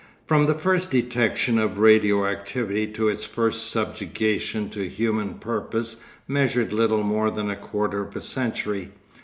From the first detection of radio activity to its first subjugation to human purpose measured little more than a quarter of a century.